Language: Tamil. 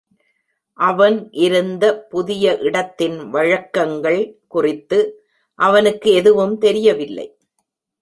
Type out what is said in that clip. அவன் இருந்த புதிய இடத்தின் வழக்கங்கள் குறித்து அவனுக்கு எதுவும் தெரியவில்லை.